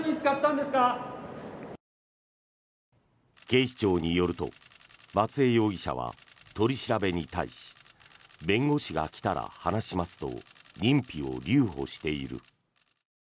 警視庁によると松江容疑者は取り調べに対し弁護士が来たら話しますと認否を留保している。